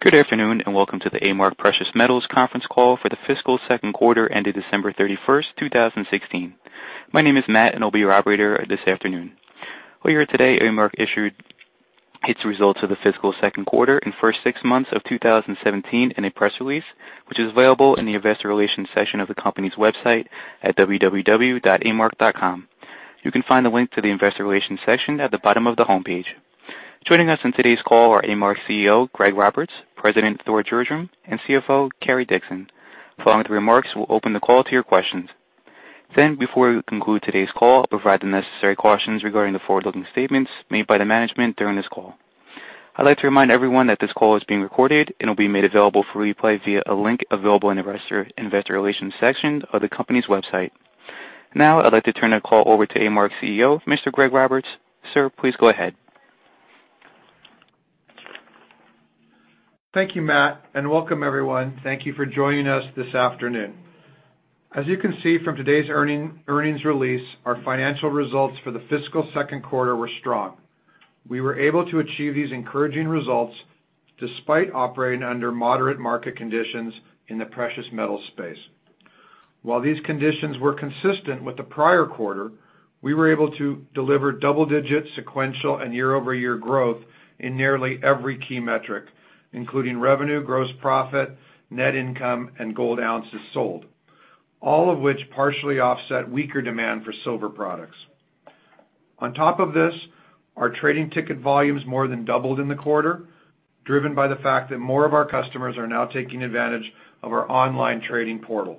Good afternoon, and welcome to the A-Mark Precious Metals conference call for the fiscal second quarter ended December 31st, 2016. My name is Matt, and I'll be your operator this afternoon. Earlier today, A-Mark issued its results of the fiscal second quarter and first six months of 2017 in a press release, which is available in the investor relations section of the company's website at www.amark.com. You can find the link to the investor relations section at the bottom of the homepage. Joining us on today's call are A-Mark's CEO, Greg Roberts, President Thor Gjerdrum, and CFO Cary Dickson. Following with the remarks, we'll open the call to your questions. Before we conclude today's call, I'll provide the necessary cautions regarding the forward-looking statements made by the management during this call. I'd like to remind everyone that this call is being recorded and will be made available for replay via a link available in the investor relations section of the company's website. I'd like to turn the call over to A-Mark's CEO, Mr. Greg Roberts. Sir, please go ahead. Thank you, Matt, and welcome everyone. Thank you for joining us this afternoon. As you can see from today's earnings release, our financial results for the fiscal second quarter were strong. We were able to achieve these encouraging results despite operating under moderate market conditions in the precious metal space. While these conditions were consistent with the prior quarter, we were able to deliver double-digit sequential and year-over-year growth in nearly every key metric, including revenue, gross profit, net income, and gold ounces sold. All of which partially offset weaker demand for silver products. On top of this, our trading ticket volumes more than doubled in the quarter, driven by the fact that more of our customers are now taking advantage of our online trading portal.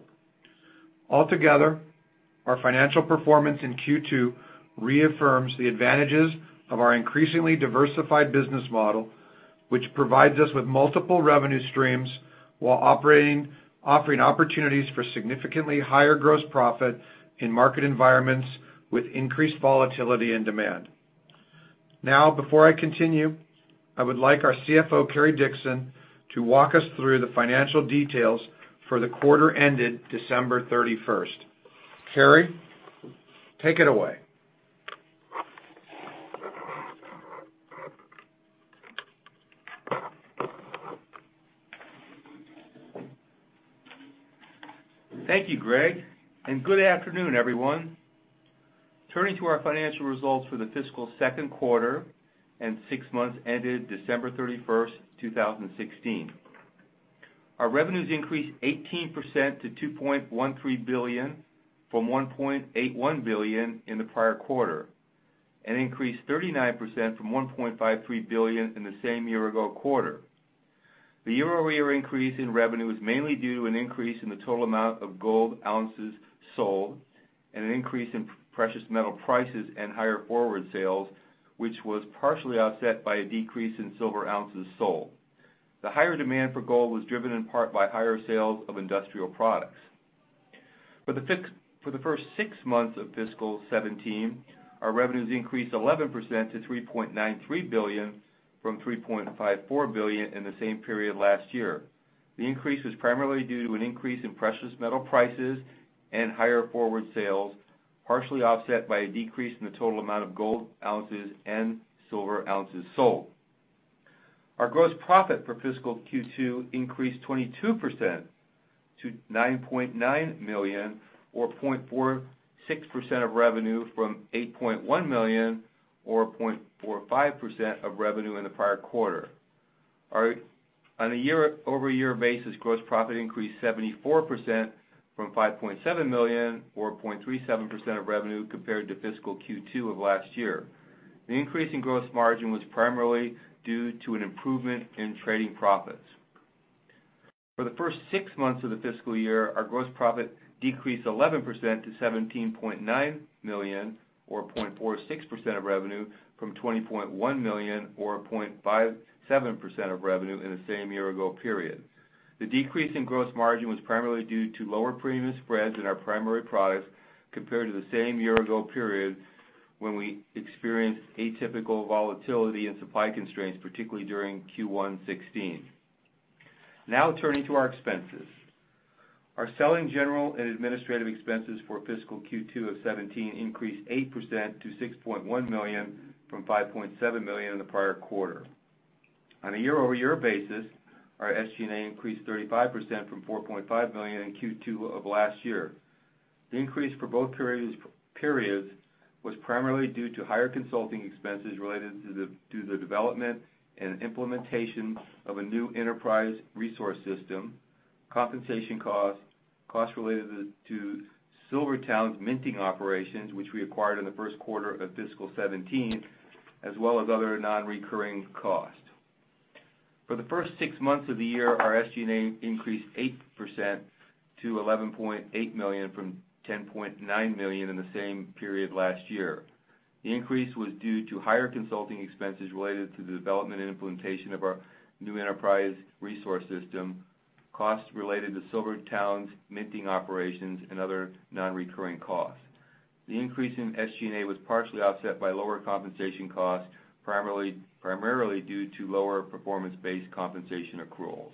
Altogether, our financial performance in Q2 reaffirms the advantages of our increasingly diversified business model, which provides us with multiple revenue streams while offering opportunities for significantly higher gross profit in market environments with increased volatility and demand. Before I continue, I would like our CFO, Cary Dickson, to walk us through the financial details for the quarter ended December 31st. Cary, take it away. Thank you, Greg, and good afternoon, everyone. Turning to our financial results for the fiscal second quarter and six months ended December 31st, 2016. Our revenues increased 18% to $2.13 billion from $1.81 billion in the prior quarter, and increased 39% from $1.53 billion in the same year-ago quarter. The year-over-year increase in revenue is mainly due to an increase in the total amount of gold ounces sold and an increase in precious metal prices and higher forward sales, which was partially offset by a decrease in silver ounces sold. The higher demand for gold was driven in part by higher sales of industrial products. For the first six months of fiscal 2017, our revenues increased 11% to $3.93 billion from $3.54 billion in the same period last year. The increase was primarily due to an increase in precious metal prices and higher forward sales, partially offset by a decrease in the total amount of gold ounces and silver ounces sold. Our gross profit for fiscal Q2 increased 22% to $9.9 million or 0.46% of revenue from $8.1 million or 0.45% of revenue in the prior quarter. On a year-over-year basis, gross profit increased 74% from $5.7 million or 0.37% of revenue compared to fiscal Q2 of last year. The increase in gross margin was primarily due to an improvement in trading profits. For the first six months of the fiscal year, our gross profit decreased 11% to $17.9 million or 0.46% of revenue from $20.1 million or 0.57% of revenue in the same year-ago period. The decrease in gross margin was primarily due to lower premium spreads in our primary products compared to the same year-ago period when we experienced atypical volatility and supply constraints, particularly during Q1 2016. Now turning to our expenses. Our selling, general, and administrative expenses for fiscal Q2 of 2017 increased 8% to $6.1 million from $5.7 million in the prior quarter. On a year-over-year basis, our SG&A increased 35% from $4.5 million in Q2 of last year. The increase for both periods was primarily due to higher consulting expenses related to the development and implementation of a new enterprise resource system, compensation costs related to SilverTowne's minting operations, which we acquired in the first quarter of fiscal 2017, as well as other non-recurring costs. For the first six months of the year, our SG&A increased 8% to $11.8 million from $10.9 million in the same period last year. The increase was due to higher consulting expenses related to the development and implementation of our new enterprise resource system, costs related to SilverTowne's minting operations, and other non-recurring costs. The increase in SG&A was partially offset by lower compensation costs, primarily due to lower performance-based compensation accruals.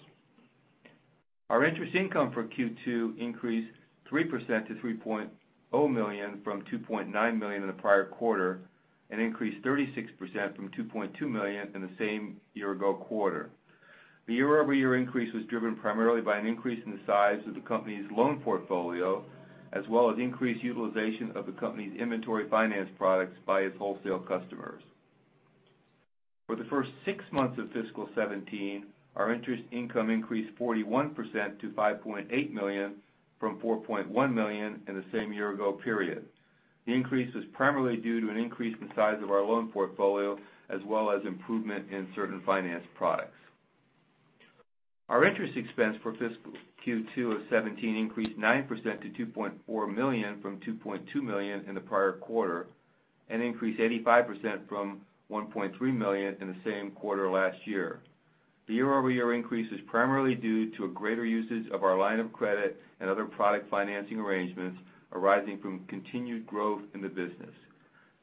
Our interest income for Q2 increased 3% to $3.0 million from $2.9 million in the prior quarter, and increased 36% from $2.2 million in the same year-ago quarter. The year-over-year increase was driven primarily by an increase in the size of the company's loan portfolio, as well as increased utilization of the company's inventory finance products by its wholesale customers. For the first six months of fiscal 2017, our interest income increased 41% to $5.8 million from $4.1 million in the same year-ago period. The increase was primarily due to an increase in size of our loan portfolio, as well as improvement in certain finance products. Our interest expense for fiscal Q2 of 2017 increased 9% to $2.4 million from $2.2 million in the prior quarter, and increased 85% from $1.3 million in the same quarter last year. The year-over-year increase is primarily due to a greater usage of our line of credit and other product financing arrangements arising from continued growth in the business.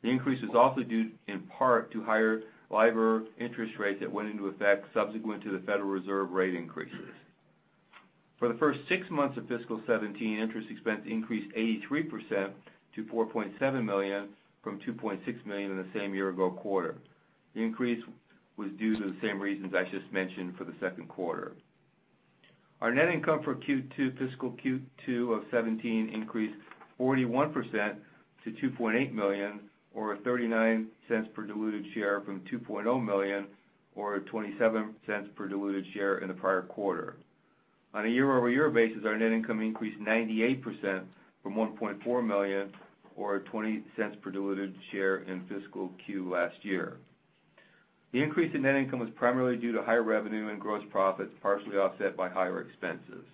The increase is also due in part to higher LIBOR interest rates that went into effect subsequent to the Federal Reserve rate increases. For the first six months of fiscal 2017, interest expense increased 83% to $4.7 million from $2.6 million in the same year-ago quarter. The increase was due to the same reasons I just mentioned for the second quarter. Our net income for fiscal Q2 of 2017 increased 41% to $2.8 million, or $0.39 per diluted share from $2.0 million, or $0.27 per diluted share in the prior quarter. On a year-over-year basis, our net income increased 98% from $1.4 million, or $0.20 per diluted share in fiscal Q last year. The increase in net income was primarily due to higher revenue and gross profits, partially offset by higher expenses.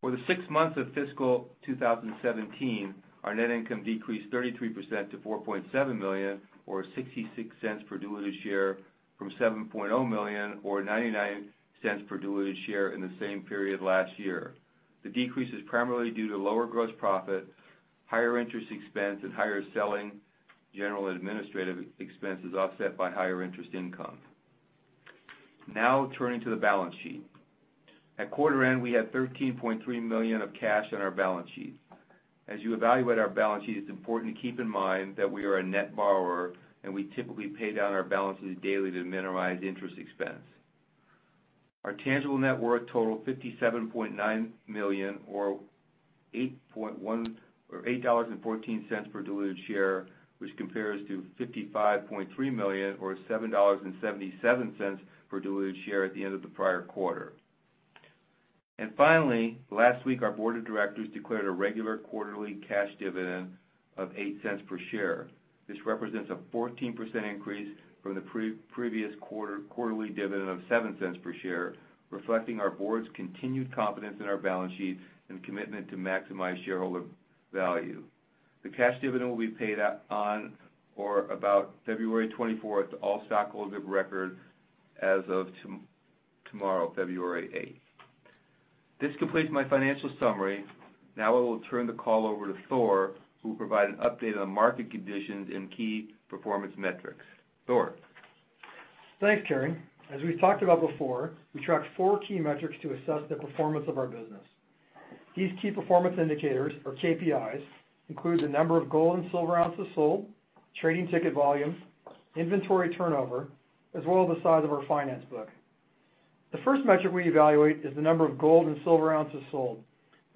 For the six months of fiscal 2017, our net income decreased 33% to $4.7 million or $0.66 per diluted share from $7.0 million or $0.99 per diluted share in the same period last year. The decrease is primarily due to lower gross profit, higher interest expense, and higher selling, general and administrative expenses offset by higher interest income. Now turning to the balance sheet. At quarter end, we had $13.3 million of cash on our balance sheet. As you evaluate our balance sheet, it is important to keep in mind that we are a net borrower and we typically pay down our balances daily to minimize interest expense. Our tangible net worth totaled $57.9 million or $8.14 per diluted share, which compares to $55.3 million or $7.77 per diluted share at the end of the prior quarter. Finally, last week, our board of directors declared a regular quarterly cash dividend of $0.08 per share. This represents a 14% increase from the previous quarterly dividend of $0.07 per share, reflecting our board's continued confidence in our balance sheet and commitment to maximize shareholder value. The cash dividend will be paid out on or about February 24th to all stockholders of record as of tomorrow, February 8th. This completes my financial summary. I will turn the call over to Thor, who will provide an update on market conditions and key performance metrics. Thor. Thanks, Cary. As we've talked about before, we track four key metrics to assess the performance of our business. These Key Performance Indicators, or KPIs, include the number of gold and silver ounces sold, trading ticket volume, inventory turnover, as well as the size of our finance book. The first metric we evaluate is the number of gold and silver ounces sold.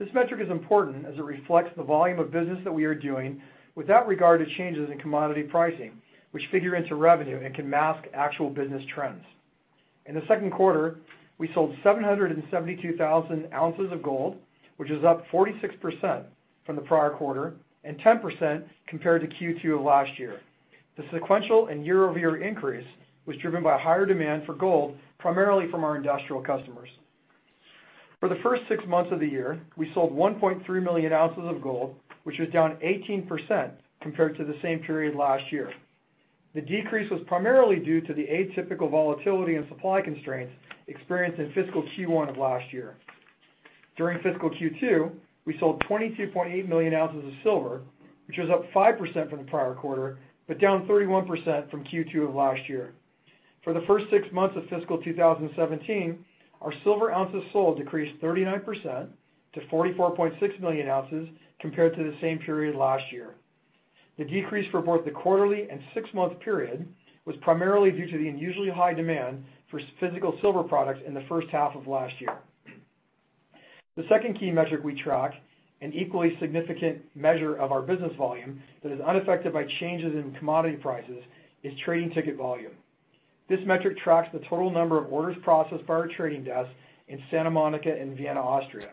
This metric is important as it reflects the volume of business that we are doing without regard to changes in commodity pricing, which figure into revenue and can mask actual business trends. In the second quarter, we sold 772,000 ounces of gold, which is up 46% from the prior quarter and 10% compared to Q2 of last year. The sequential and year-over-year increase was driven by higher demand for gold, primarily from our industrial customers. For the first six months of the year, we sold 1.3 million ounces of gold, which was down 18% compared to the same period last year. The decrease was primarily due to the atypical volatility and supply constraints experienced in fiscal Q1 of last year. During fiscal Q2, we sold 22.8 million ounces of silver, which was up 5% from the prior quarter, but down 31% from Q2 of last year. For the first six months of fiscal 2017, our silver ounces sold decreased 39% to 44.6 million ounces compared to the same period last year. The decrease for both the quarterly and six-month period was primarily due to the unusually high demand for physical silver products in the first half of last year. The second key metric we track, an equally significant measure of our business volume that is unaffected by changes in commodity prices, is trading ticket volume. This metric tracks the total number of orders processed by our trading desk in Santa Monica and Vienna, Austria.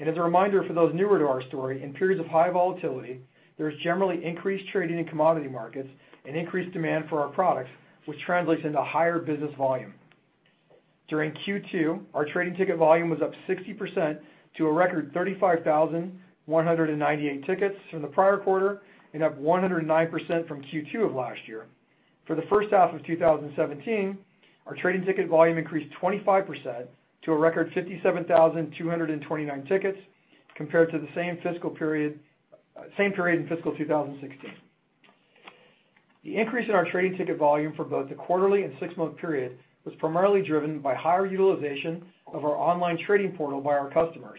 As a reminder for those newer to our story, in periods of high volatility, there's generally increased trading in commodity markets and increased demand for our products, which translates into higher business volume. During Q2, our trading ticket volume was up 60% to a record 35,198 tickets from the prior quarter and up 109% from Q2 of last year. For the first half of 2017, our trading ticket volume increased 25% to a record 57,229 tickets compared to the same period in fiscal 2016. The increase in our trading ticket volume for both the quarterly and six-month period was primarily driven by higher utilization of our online trading portal by our customers.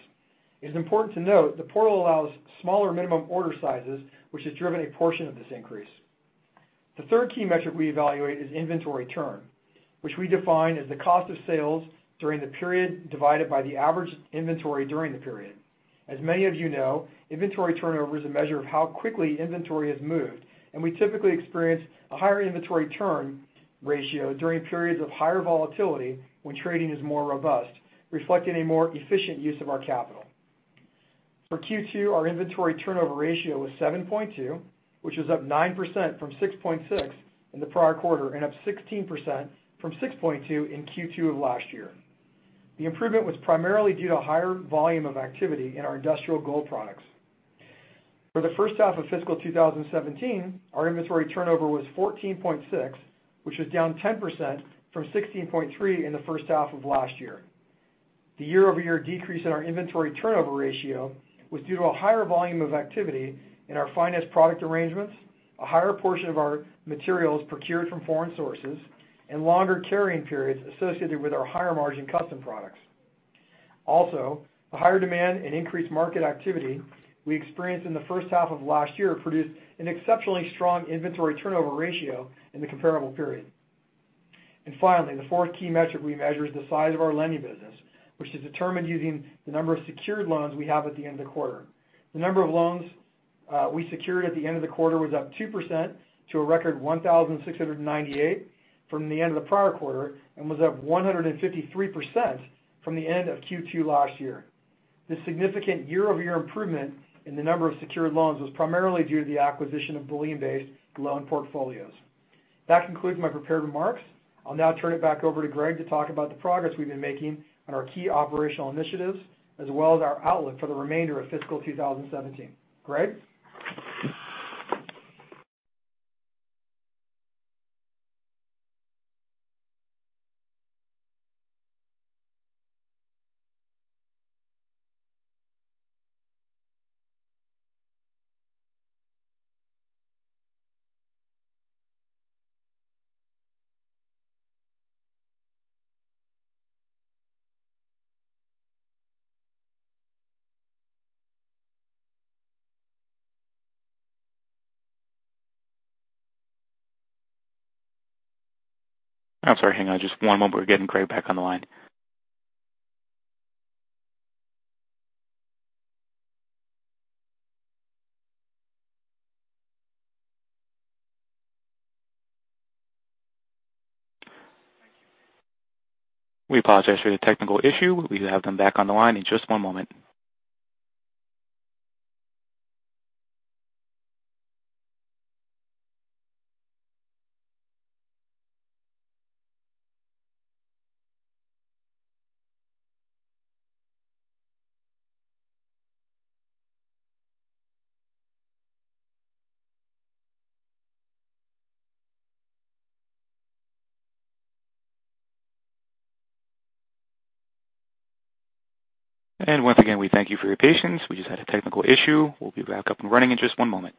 It is important to note the portal allows smaller minimum order sizes, which has driven a portion of this increase. The third key metric we evaluate is inventory turn, which we define as the cost of sales during the period divided by the average inventory during the period. As many of you know, inventory turnover is a measure of how quickly inventory has moved, and we typically experience a higher inventory turn ratio during periods of higher volatility when trading is more robust, reflecting a more efficient use of our capital. For Q2, our inventory turnover ratio was 7.2, which was up 9% from 6.6 in the prior quarter and up 16% from 6.2 in Q2 of last year. The improvement was primarily due to higher volume of activity in our industrial gold products. For the first half of fiscal 2017, our inventory turnover was 14.6, which was down 10% from 16.3 in the first half of last year. The year-over-year decrease in our inventory turnover ratio was due to a higher volume of activity in our finance product arrangements, a higher portion of our materials procured from foreign sources, and longer carrying periods associated with our higher-margin custom products. Also, the higher demand and increased market activity we experienced in the first half of last year produced an exceptionally strong inventory turnover ratio in the comparable period. Finally, the fourth key metric we measure is the size of our lending business, which is determined using the number of secured loans we have at the end of the quarter. The number of loans we secured at the end of the quarter was up 2% to a record 1,698 from the end of the prior quarter and was up 153% from the end of Q2 last year. This significant year-over-year improvement in the number of secured loans was primarily due to the acquisition of Bullion-Based loan portfolios. That concludes my prepared remarks. I'll now turn it back over to Greg to talk about the progress we've been making on our key operational initiatives, as well as our outlook for the remainder of fiscal 2017. Greg? I'm sorry, hang on just one moment. We're getting Greg back on the line. We apologize for the technical issue. We have them back on the line in just one moment. Once again, we thank you for your patience. We just had a technical issue. We'll be back up and running in just one moment.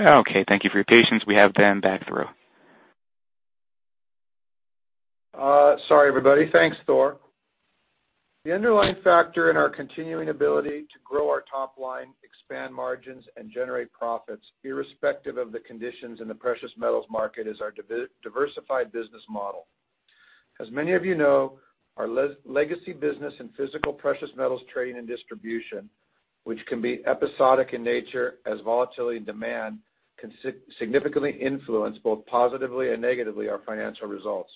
Okay, thank you for your patience. We have them back through. Sorry, everybody. Thanks, Thor. The underlying factor in our continuing ability to grow our top line, expand margins, and generate profits irrespective of the conditions in the precious metals market is our diversified business model. As many of you know, our legacy business in physical precious metals trading and distribution, which can be episodic in nature as volatility and demand can significantly influence, both positively and negatively, our financial results.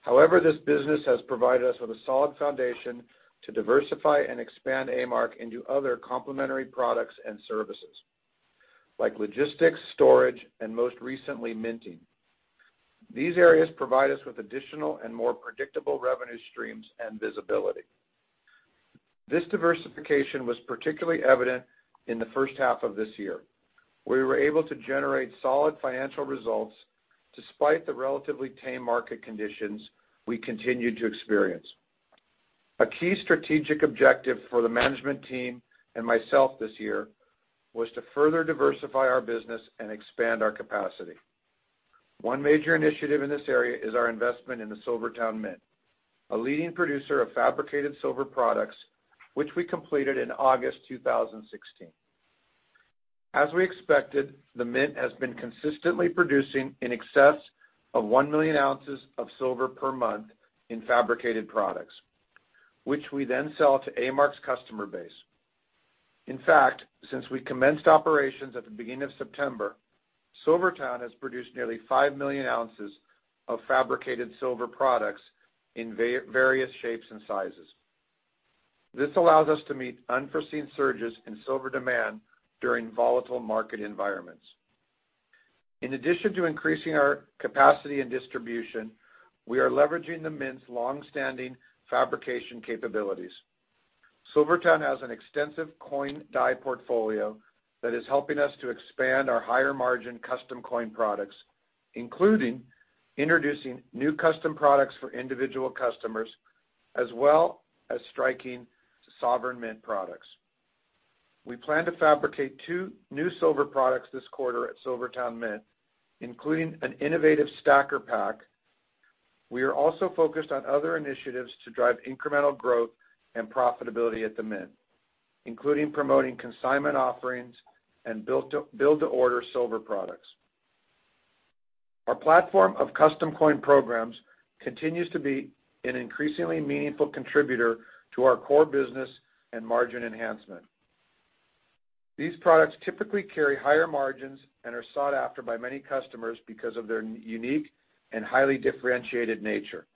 However, this business has provided us with a solid foundation to diversify and expand A-Mark into other complementary products and services like logistics, storage, and most recently, minting. These areas provide us with additional and more predictable revenue streams and visibility. This diversification was particularly evident in the first half of this year, where we were able to generate solid financial results despite the relatively tame market conditions we continued to experience. A key strategic objective for the management team and myself this year was to further diversify our business and expand our capacity. One major initiative in this area is our investment in the SilverTowne Mint, a leading producer of fabricated silver products, which we completed in August 2016. As we expected, the Mint has been consistently producing in excess of 1 million ounces of silver per month in fabricated products, which we then sell to A-Mark's customer base. In fact, since we commenced operations at the beginning of September, SilverTowne has produced nearly 5 million ounces of fabricated silver products in various shapes and sizes. This allows us to meet unforeseen surges in silver demand during volatile market environments. In addition to increasing our capacity and distribution, we are leveraging the Mint's longstanding fabrication capabilities. SilverTowne has an extensive coin die portfolio that is helping us to expand our higher-margin custom coin products, including introducing new custom products for individual customers, as well as striking sovereign mint products. We plan to fabricate two new silver products this quarter at SilverTowne Mint, including an innovative stacker pack. We are also focused on other initiatives to drive incremental growth and profitability at the Mint, including promoting consignment offerings and build-to-order silver products. Our platform of custom coin programs continues to be an increasingly meaningful contributor to our core business and margin enhancement. These products typically carry higher margins and are sought after by many customers because of their unique and highly differentiated nature.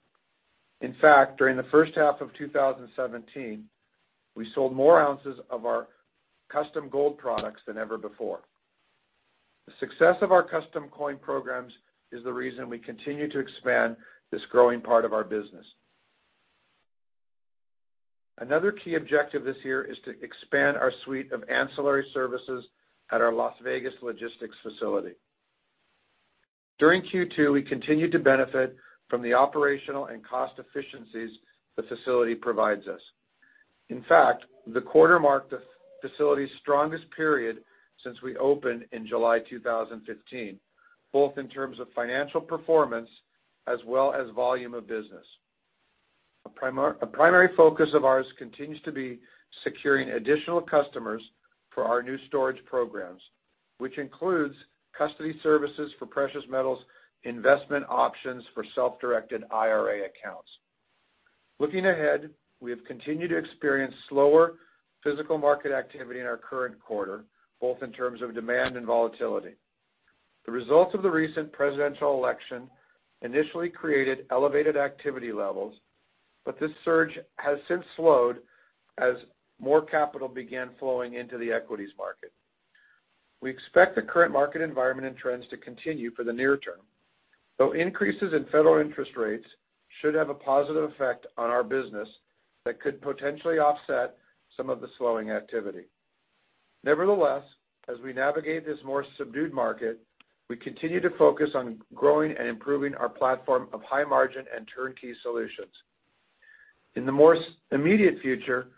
In fact, during the first half of 2017, we sold more ounces of our custom gold products than ever before. The success of our custom coin programs is the reason we continue to expand this growing part of our business. Another key objective this year is to expand our suite of ancillary services at our Las Vegas logistics facility. During Q2, we continued to benefit from the operational and cost efficiencies the facility provides us. In fact, the quarter marked the facility's strongest period since we opened in July 2015, both in terms of financial performance as well as volume of business. A primary focus of ours continues to be securing additional customers for our new storage programs, which includes custody services for precious metals investment options for self-directed IRA accounts. Looking ahead, we have continued to experience slower physical market activity in our current quarter, both in terms of demand and volatility. The results of the recent presidential election initially created elevated activity levels, but this surge has since slowed as more capital began flowing into the equities market. We expect the current market environment and trends to continue for the near term, though increases in federal interest rates should have a positive effect on our business that could potentially offset some of the slowing activity. Nevertheless, as we navigate this more subdued market, we continue to focus on growing and improving our platform of high margin and turnkey solutions. In the more immediate future,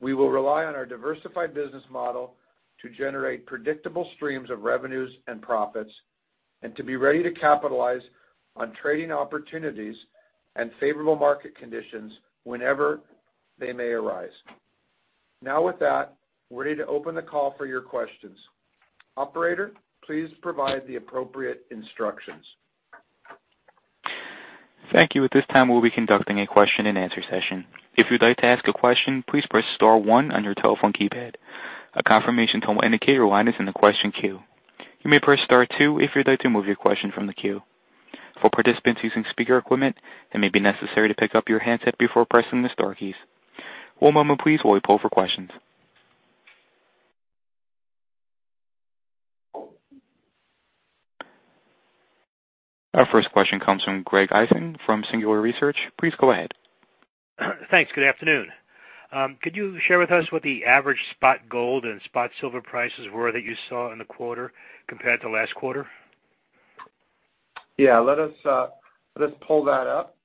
we will rely on our diversified business model to generate predictable streams of revenues and profits, and to be ready to capitalize on trading opportunities and favorable market conditions whenever they may arise. Now with that, we're ready to open the call for your questions. Operator, please provide the appropriate instructions. Thank you. At this time, we'll be conducting a question-and-answer session. If you'd like to ask a question, please press star one on your telephone keypad. A confirmation tone will indicate your line is in the question queue. You may press star two if you'd like to remove your question from the queue. For participants using speaker equipment, it may be necessary to pick up your handset before pressing the star keys. One moment please, while we poll for questions. Our first question comes from Greg Eisen from Singular Research. Please go ahead. Thanks. Good afternoon. Could you share with us what the average spot gold and spot silver prices were that you saw in the quarter compared to last quarter? Yeah, let us pull that up.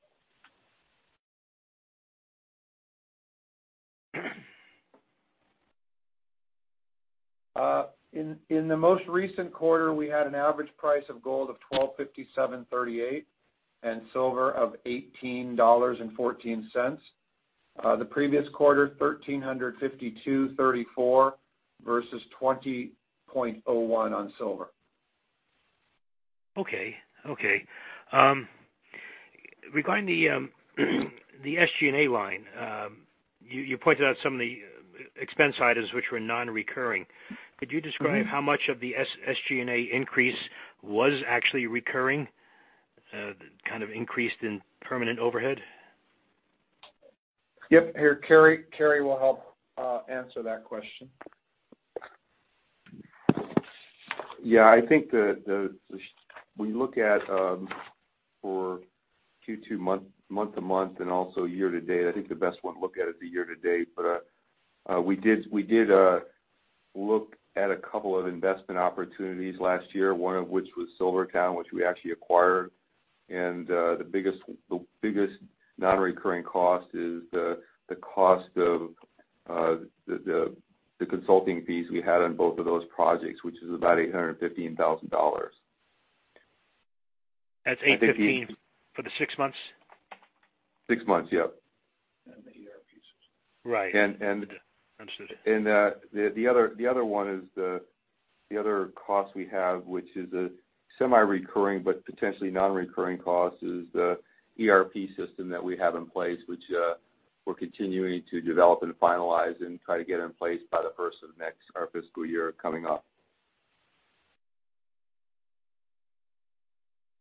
In the most recent quarter, we had an average price of gold of $1,257.38 and silver of $18.14. The previous quarter, $1,352.34 versus $20.01 on silver. Okay. Regarding the SG&A line, you pointed out some of the expense items which were non-recurring. Could you describe how much of the SG&A increase was actually recurring, kind of increased in permanent overhead? Yep. Here, Cary will help answer that question. Yeah, I think when you look at Q2 month-to-month and also year-to-date, I think the best one to look at is the year-to-date. We did look at a couple of investment opportunities last year. One of which was SilverTowne, which we actually acquired, and the biggest non-recurring cost is the cost of the consulting fees we had on both of those projects, which is about $815,000. That's $815 for the six months? Six months, yep. The ERP system. Right. Understood. The other one is the other cost we have, which is a semi-recurring but potentially non-recurring cost, is the ERP system that we have in place, which we're continuing to develop and finalize and try to get in place by the first of next, our fiscal year coming up.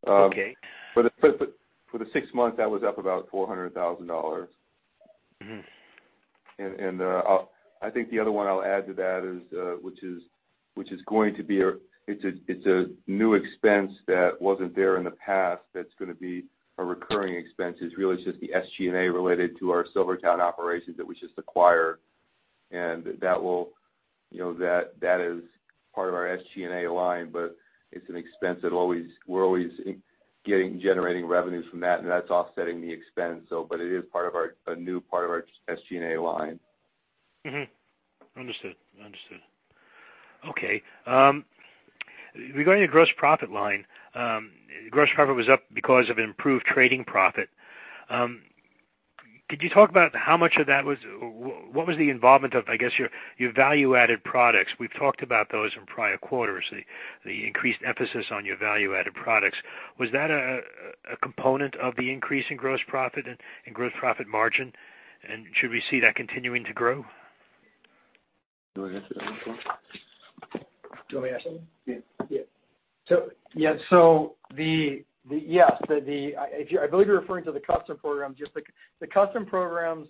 Okay. For the six months, that was up about $400,000. I think the other one I'll add to that is, which is going to be a new expense that wasn't there in the past, that's going to be a recurring expense, is really just the SG&A related to our SilverTowne operations that we just acquired. That is part of our SG&A line, but it's an expense that we're always generating revenues from that, and that's offsetting the expense. It is a new part of our SG&A line. Understood. Okay. Regarding the gross profit line. Gross profit was up because of improved trading profit. Could you talk about how much of that, what was the involvement of, I guess, your value-added products? We've talked about those in prior quarters, the increased emphasis on your value-added products. Was that a component of the increase in gross profit and gross profit margin? Should we see that continuing to grow? You want to answer that one, Thor? Do you want me to answer? Yeah. Yeah. Yes. I believe you're referring to the custom program. The custom programs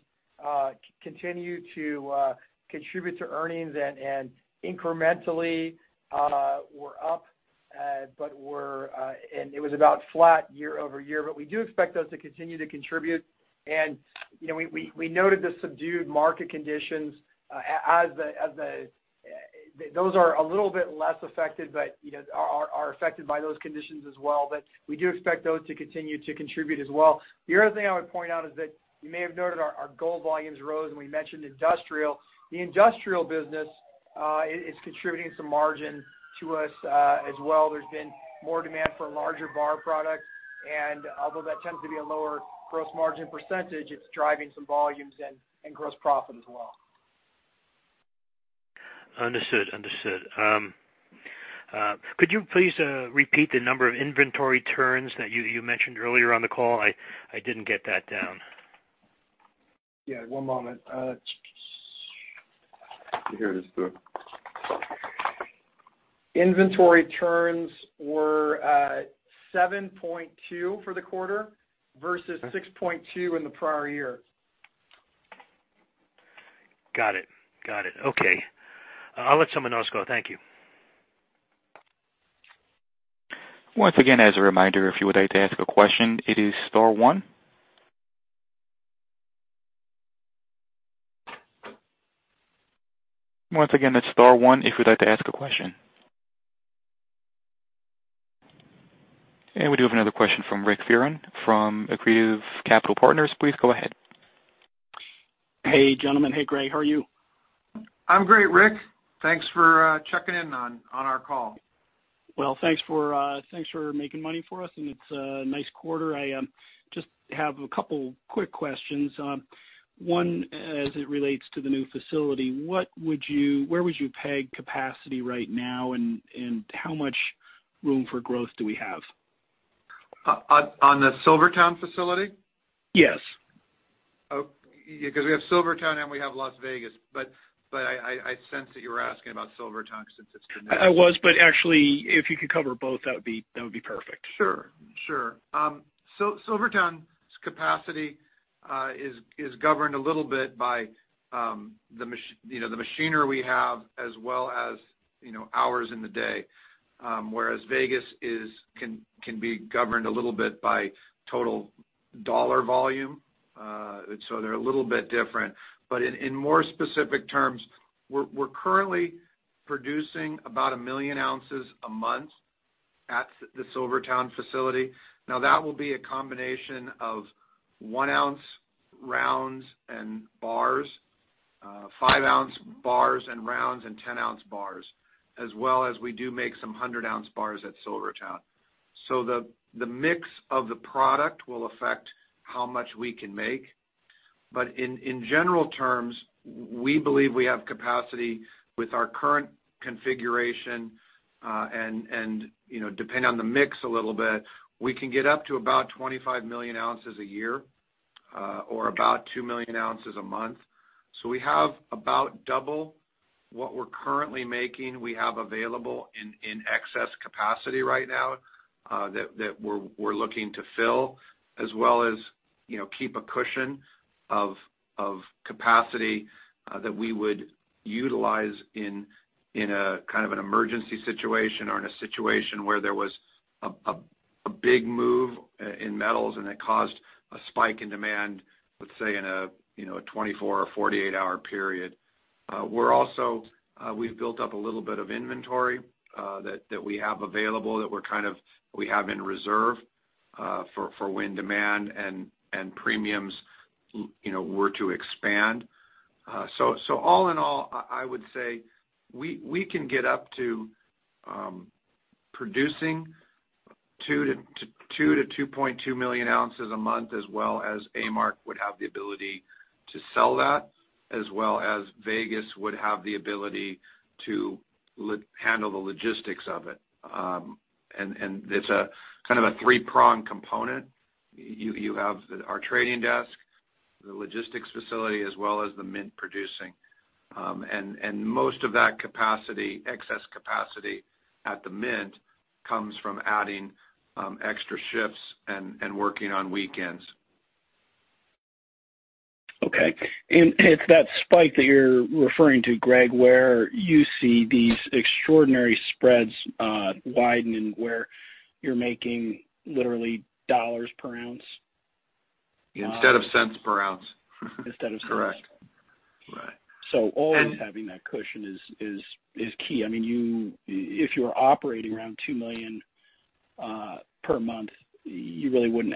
continue to contribute to earnings and incrementally were up, and it was about flat year-over-year. We do expect those to continue to contribute. We noted the subdued market conditions. Those are a little bit less affected, but are affected by those conditions as well. We do expect those to continue to contribute as well. The other thing I would point out is that you may have noted our gold volumes rose, and we mentioned industrial. The industrial business, it's contributing some margin to us as well. There's been more demand for larger bar product, and although that tends to be a lower gross margin %, it's driving some volumes and gross profit as well. Understood. Could you please repeat the number of inventory turns that you mentioned earlier on the call? I didn't get that down. Yeah, one moment. Here it is, too. Inventory turns were 7.2 for the quarter versus 6.2 in the prior year. Got it. Okay. I'll let someone else go. Thank you. Once again, as a reminder, if you would like to ask a question, it is star one. Once again, that's star one if you'd like to ask a question. We do have another question from Rick Ferran from Accretive Capital Partners. Please go ahead. Hey, gentlemen. Hey, Greg. How are you? I'm great, Rick. Thanks for checking in on our call. Thanks for making money for us. It's a nice quarter. I just have a couple of quick questions. One as it relates to the new facility, where would you peg capacity right now, and how much room for growth do we have? On the SilverTowne facility? Yes. We have SilverTowne and we have Las Vegas. I sense that you were asking about SilverTowne since it's. Actually, if you could cover both, that would be perfect. Sure. SilverTowne's capacity is governed a little bit by the machinery we have as well as hours in the day, whereas Vegas can be governed a little bit by total dollar volume. They're a little bit different. In more specific terms, we're currently producing about 1 million ounces a month at the SilverTowne facility. Now, that will be a combination of 1-ounce rounds and bars, 5-ounce bars and rounds, and 10-ounce bars, as well as we do make some 100-ounce bars at SilverTowne. The mix of the product will affect how much we can make. In general terms, we believe we have capacity with our current configuration and depending on the mix a little bit, we can get up to about 25 million ounces a year or about 2 million ounces a month. We have about double what we're currently making. We have available in excess capacity right now that we're looking to fill as well as keep a cushion of capacity that we would utilize in a kind of an emergency situation or in a situation where there was a big move in metals and it caused a spike in demand, let's say in a 24-hour or 48-hour period. We've built up a little bit of inventory that we have available that we have in reserve for when demand and premiums were to expand. All in all, I would say we can get up to producing 2 million-2.2 million ounces a month, as well as A-Mark would have the ability to sell that, as well as Vegas would have the ability to handle the logistics of it. It's a 3-pronged component. You have our trading desk, the logistics facility, as well as the mint producing. Most of that excess capacity at the mint comes from adding extra shifts and working on weekends. Okay. It's that spike that you're referring to, Greg, where you see these extraordinary spreads widening where you're making literally dollars per ounce? Instead of cents per ounce. Instead of cents. Correct. Right. Always having that cushion is key. If you're operating around $2 million per month, you really wouldn't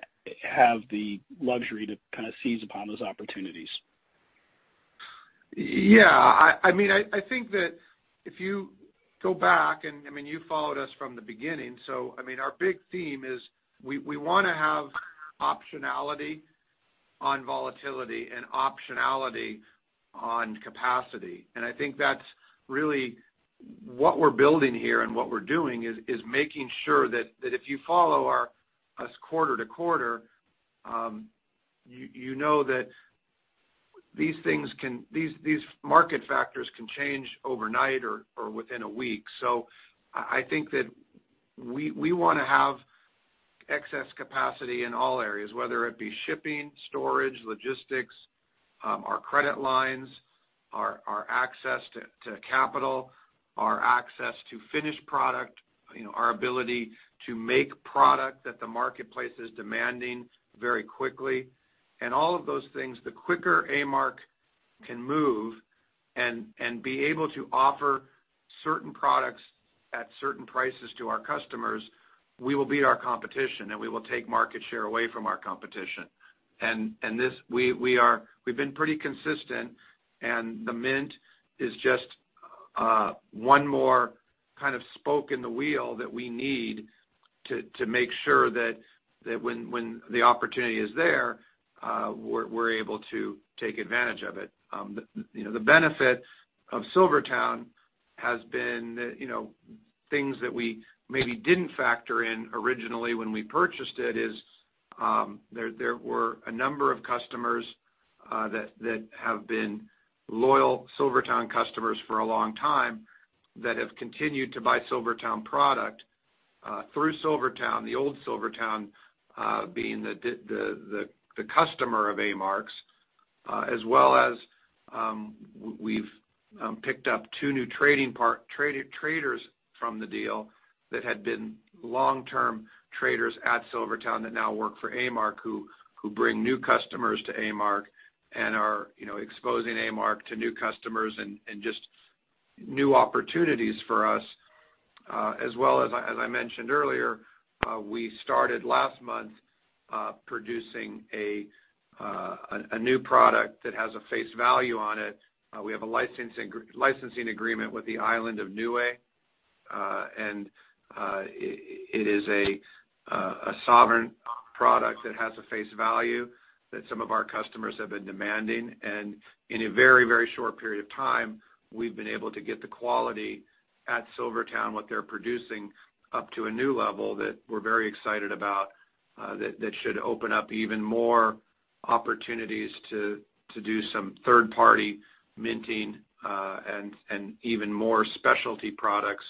have the luxury to seize upon those opportunities. Yeah. I think that if you go back, and you followed us from the beginning, so our big theme is we want to have optionality on volatility and optionality on capacity. I think that's really what we're building here, and what we're doing is making sure that if you follow us quarter-to-quarter, you know that these market factors can change overnight or within a week. I think that we want to have excess capacity in all areas, whether it be shipping, storage, logistics, our credit lines, our access to capital, our access to finished product, our ability to make product that the marketplace is demanding very quickly. All of those things, the quicker A-Mark can move and be able to offer certain products at certain prices to our customers, we will beat our competition, and we will take market share away from our competition. We've been pretty consistent, and the mint is just one more kind of spoke in the wheel that we need to make sure that when the opportunity is there, we're able to take advantage of it. The benefit of SilverTowne has been things that we maybe didn't factor in originally when we purchased it is, there were a number of customers that have been loyal SilverTowne customers for a long time that have continued to buy SilverTowne product through SilverTowne, the old SilverTowne being the customer of A-Mark's as well as we've picked up two new traders from the deal that had been long-term traders at SilverTowne that now work for A-Mark, who bring new customers to A-Mark and are exposing A-Mark to new customers and just new opportunities for us. As well as I mentioned earlier, we started last month producing a new product that has a face value on it. We have a licensing agreement with the island of Niue. It is a sovereign product that has a face value that some of our customers have been demanding. In a very short period of time, we've been able to get the quality at SilverTowne, what they're producing, up to a new level that we're very excited about, that should open up even more opportunities to do some third-party minting, and even more specialty products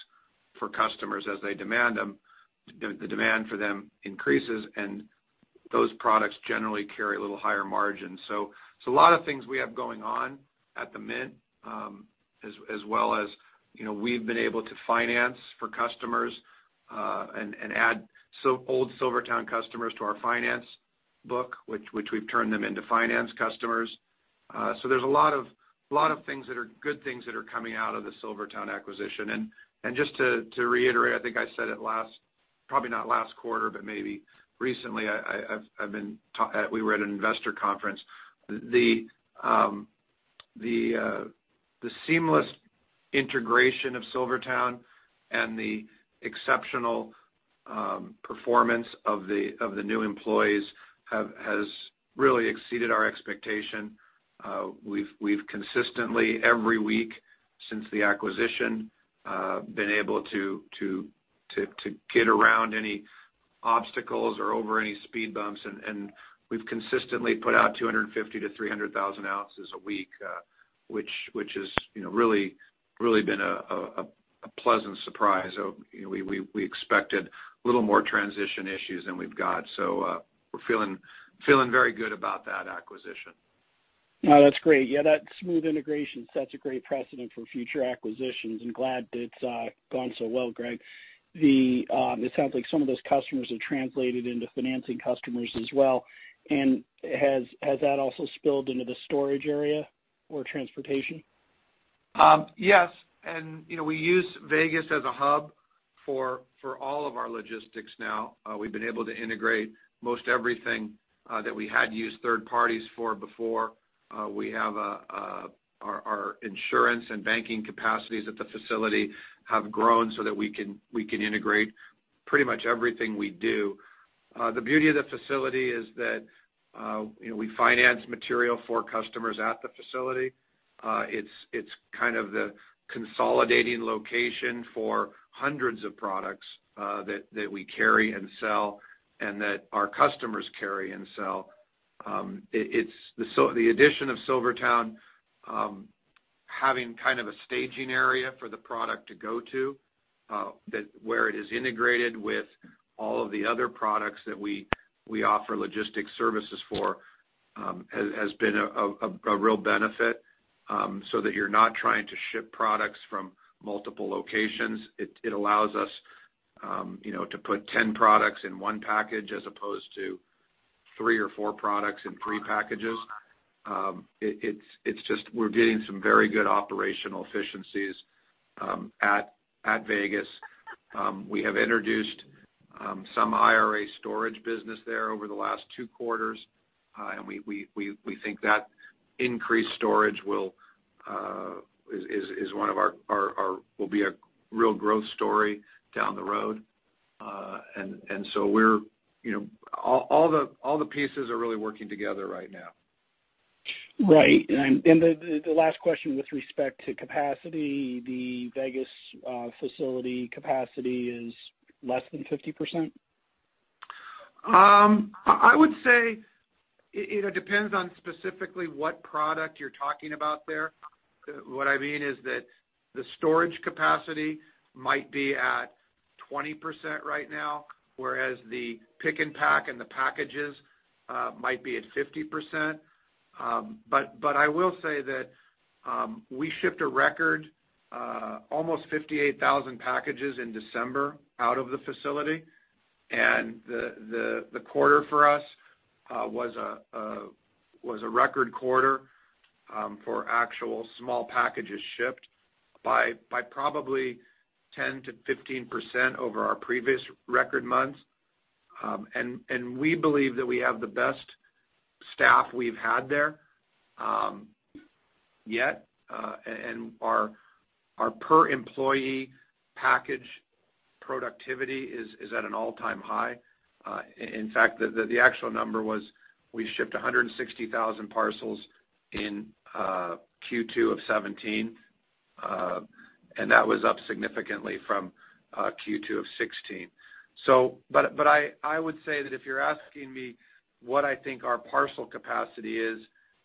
for customers as they demand them. The demand for them increases, and those products generally carry a little higher margin. A lot of things we have going on at the mint, as well as we've been able to finance for customers, add old SilverTowne customers to our finance book, which we've turned them into finance customers. There's a lot of things that are good things that are coming out of the SilverTowne acquisition. Just to reiterate, I think I said it probably not last quarter, but maybe recently we were at an investor conference. The seamless integration of SilverTowne and the exceptional performance of the new employees has really exceeded our expectation. We've consistently, every week since the acquisition, been able to get around any obstacles or over any speed bumps, we've consistently put out 250,000 to 300,000 ounces a week, which has really been a pleasant surprise. We expected a little more transition issues than we've got. We're feeling very good about that acquisition. No, that's great. Yeah, that smooth integration sets a great precedent for future acquisitions. I'm glad it's gone so well, Greg. It sounds like some of those customers have translated into financing customers as well. Has that also spilled into the storage area or transportation? Yes. We use Vegas as a hub for all of our logistics now. We've been able to integrate most everything that we had used third parties for before. Our insurance and banking capacities at the facility have grown so that we can integrate pretty much everything we do. The beauty of the facility is that we finance material for customers at the facility. It's kind of the consolidating location for hundreds of products that we carry and sell and that our customers carry and sell. The addition of SilverTowne having kind of a staging area for the product to go to, where it is integrated with all of the other products that we offer logistics services for, has been a real benefit, so that you're not trying to ship products from multiple locations. It allows us to put 10 products in one package as opposed to three or four products in three packages. We're getting some very good operational efficiencies at Vegas. We have introduced some IRA storage business there over the last two quarters. We think that increased storage will be a real growth story down the road. All the pieces are really working together right now. Right. The last question with respect to capacity, the Vegas facility capacity is less than 50%? I would say it depends on specifically what product you're talking about there. What I mean is that the storage capacity might be at 20% right now, whereas the pick and pack and the packages might be at 50%. I will say that we shipped a record almost 58,000 packages in December out of the facility, and the quarter for us was a record quarter for actual small packages shipped by probably 10%-15% over our previous record months. We believe that we have the best staff we've had there yet, and our per employee package productivity is at an all-time high. In fact, the actual number was we shipped 160,000 parcels in Q2 of 2017, and that was up significantly from Q2 of 2016. I would say that if you're asking me what I think our parcel capacity is,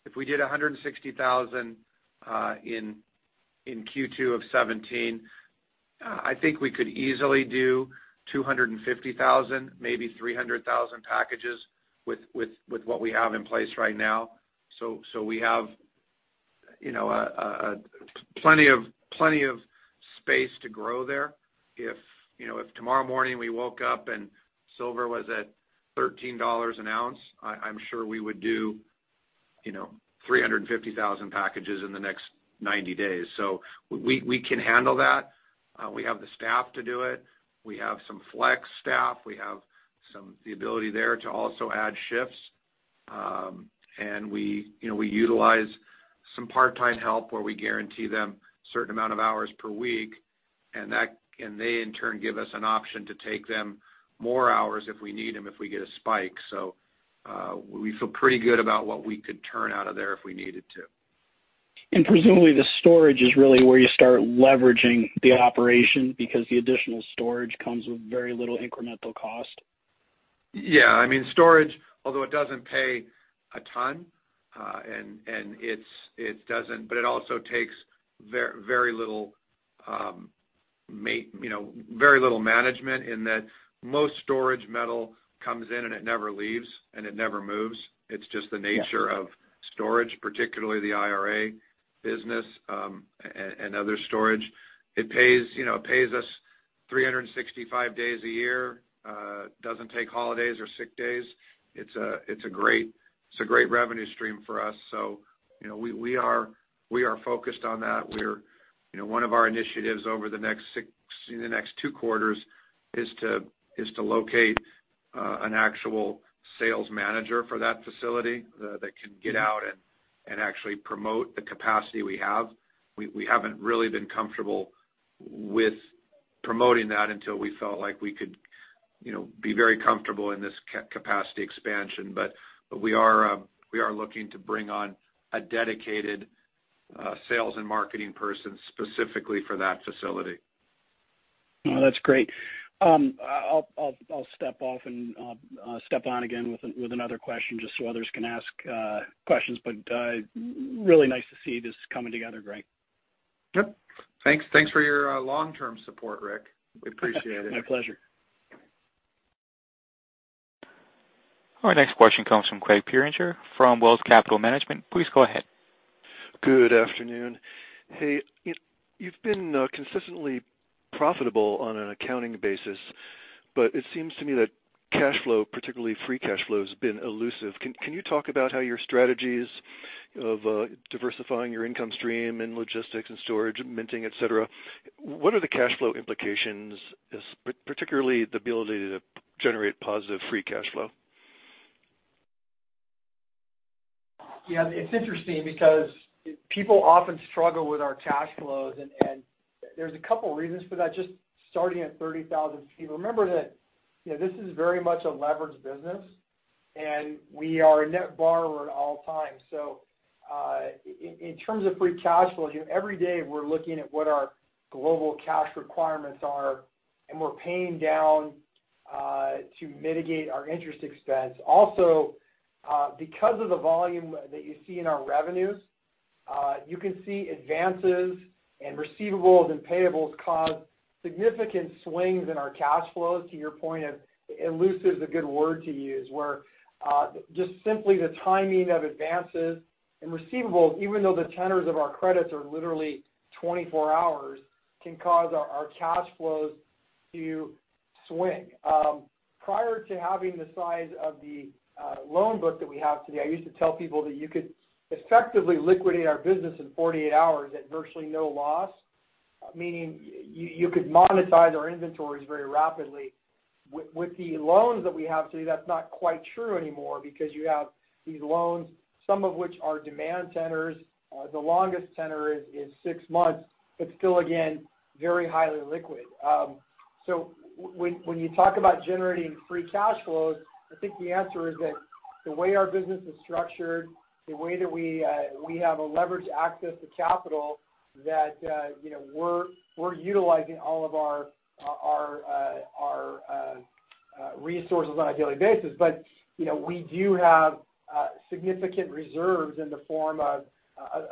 if we did 160,000 in Q2 of 2017, I think we could easily do 250,000, maybe 300,000 packages with what we have in place right now. We have plenty of space to grow there. If tomorrow morning we woke up and silver was at $13 an ounce, I'm sure we would do 350,000 packages in the next 90 days. We can handle that. We have the staff to do it. We have some flex staff. We have the ability there to also add shifts. We utilize some part-time help where we guarantee them a certain amount of hours per week, and they in turn give us an option to take them more hours if we need them, if we get a spike. We feel pretty good about what we could turn out of there if we needed to. Presumably the storage is really where you start leveraging the operation because the additional storage comes with very little incremental cost? Yeah. Storage, although it doesn't pay a ton, but it also takes very little management in that most storage metal comes in and it never leaves, and it never moves. It's just the nature of storage, particularly the IRA business and other storage. It pays us 365 days a year, doesn't take holidays or sick days. It's a great revenue stream for us, so we are focused on that. One of our initiatives over the next two quarters is to locate an actual sales manager for that facility that can get out and actually promote the capacity we have. We haven't really been comfortable with promoting that until we felt like we could be very comfortable in this capacity expansion. We are looking to bring on a dedicated sales and marketing person specifically for that facility. No, that's great. I'll step off and I'll step on again with another question just so others can ask questions, but really nice to see this coming together, Greg. Yep. Thanks for your long-term support, Rick. We appreciate it. My pleasure. Our next question comes from Craig Pieringer from Wells Capital Management. Please go ahead. Good afternoon. Hey, it seems to me that cash flow, particularly free cash flow, has been elusive. Can you talk about how your strategies of diversifying your income stream and logistics and storage and minting, et cetera, what are the cash flow implications, particularly the ability to generate positive free cash flow? Yeah, it's interesting because people often struggle with our cash flows. There's a couple of reasons for that. Just starting at 30,000 feet, remember that this is very much a leveraged business. We are a net borrower at all times. In terms of free cash flow, every day we're looking at what our global cash requirements are. We're paying down to mitigate our interest expense. Also, because of the volume that you see in our revenues, you can see advances and receivables and payables cause significant swings in our cash flows, to your point of. Elusive is a good word to use, where just simply the timing of advances and receivables, even though the tenors of our credits are literally 24 hours, can cause our cash flows to swing. Prior to having the size of the loan book that we have today, I used to tell people that you could effectively liquidate our business in 48 hours at virtually no loss, meaning you could monetize our inventories very rapidly. With the loans that we have today, that's not quite true anymore because you have these loans, some of which are demand tenors. The longest tenor is six months. Still, again, very highly liquid. When you talk about generating free cash flows, I think the answer is that the way our business is structured, the way that we have a leveraged access to capital that we're utilizing all of our resources on a daily basis. We do have significant reserves in the form of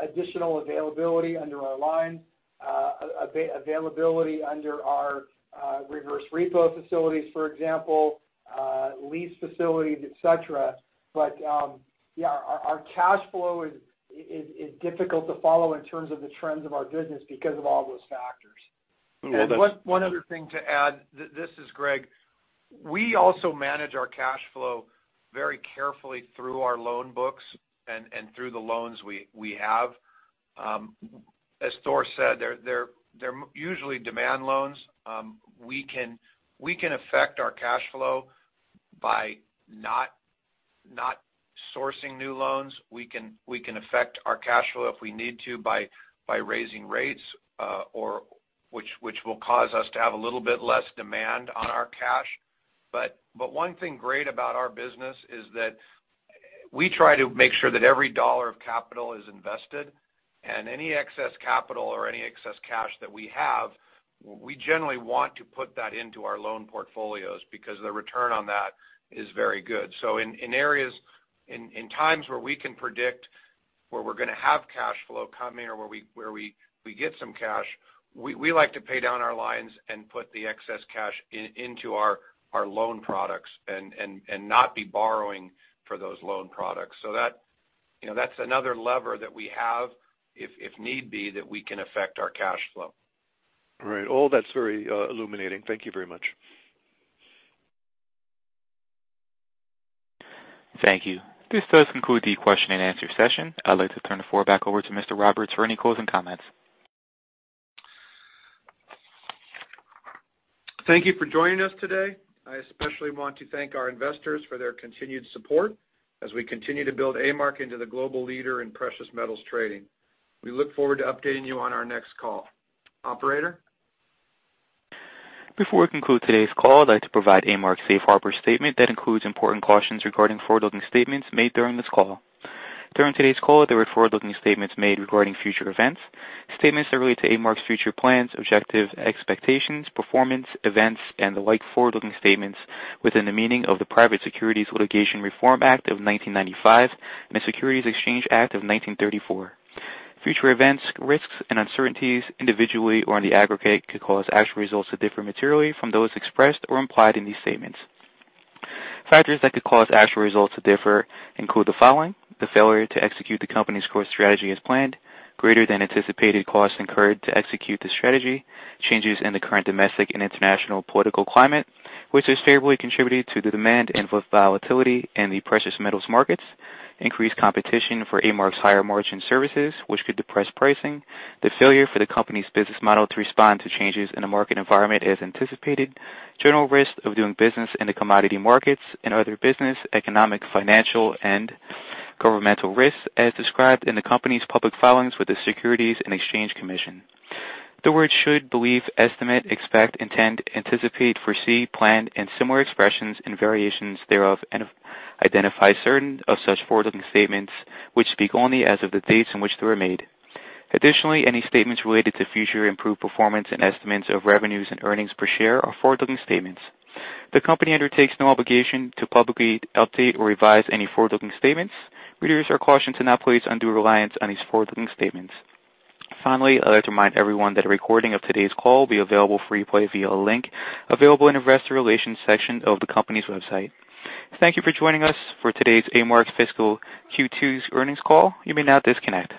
additional availability under our line, availability under our reverse repo facilities, for example, lease facilities, et cetera. Yeah, our cash flow is difficult to follow in terms of the trends of our business because of all those factors. Well, that's. One other thing to add, this is Greg. We also manage our cash flow very carefully through our loan books and through the loans we have. As Thor said, they are usually demand loans. We can affect our cash flow by not sourcing new loans. We can affect our cash flow if we need to by raising rates or which will cause us to have a little bit less demand on our cash. One thing great about our business is that we try to make sure that every $1 of capital is invested, and any excess capital or any excess cash that we have, we generally want to put that into our loan portfolios because the return on that is very good. In times where we can predict where we are going to have cash flow coming or where we get some cash, we like to pay down our lines and put the excess cash into our loan products and not be borrowing for those loan products. That is another lever that we have, if need be, that we can affect our cash flow. All right. All that is very illuminating. Thank you very much. Thank you. This does conclude the question and answer session. I would like to turn the floor back over to Mr. Roberts for any closing comments. Thank you for joining us today. I especially want to thank our investors for their continued support as we continue to build A-Mark into the global leader in precious metals trading. We look forward to updating you on our next call. Operator? Before we conclude today's call, I'd like to provide A-Mark's Safe Harbor statement that includes important cautions regarding forward-looking statements made during this call. During today's call, there were forward-looking statements made regarding future events. Statements that relate to A-Mark's future plans, objective, expectations, performance, events, and the like forward-looking statements within the meaning of the Private Securities Litigation Reform Act of 1995 and the Securities Exchange Act of 1934. Future events, risks, and uncertainties individually or in the aggregate could cause actual results to differ materially from those expressed or implied in these statements. Factors that could cause actual results to differ include the following: the failure to execute the company's core strategy as planned, greater than anticipated costs incurred to execute the strategy, changes in the current domestic and international political climate, which has favorably contributed to the demand and volatility in the precious metals markets, increased competition for A-Mark's higher margin services, which could depress pricing, the failure for the company's business model to respond to changes in the market environment as anticipated, general risk of doing business in the commodity markets and other business, economic, financial, and governmental risks as described in the company's public filings with the Securities and Exchange Commission. The word should, believe, estimate, expect, intend, anticipate, foresee, plan, and similar expressions and variations thereof identify certain of such forward-looking statements which speak only as of the dates in which they were made. Additionally, any statements related to future improved performance and estimates of revenues and earnings per share are forward-looking statements. The company undertakes no obligation to publicly update or revise any forward-looking statements. Readers are cautioned not place undue reliance on these forward-looking statements. Finally, I'd like to remind everyone that a recording of today's call will be available for replay via a link available in investor relations section of the company's website. Thank you for joining us for today's A-Mark's fiscal Q2's earnings call. You may now disconnect.